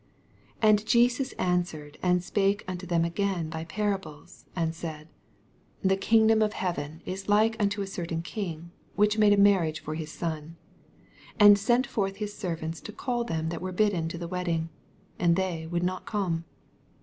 1 And Jesus answered and spake onto them again by parables, and said, 2 The kingdom of heaven is like unto a certain king, which made a marriage for his son, 8 And sent forth his servants to call them that were bidden to the wedding : and thej woald not come.